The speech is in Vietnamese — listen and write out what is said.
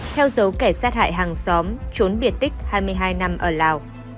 theo dấu kẻ sát hại hàng xóm trốn biệt tích hai mươi hai năm ở lào